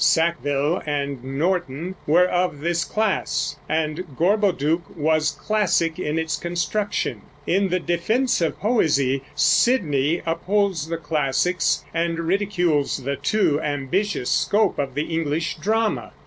Sackville and Norton were of this class, and "Gorboduc" was classic in its construction. In the "Defense of Poesie" Sidney upholds the classics and ridicules the too ambitious scope of the English drama.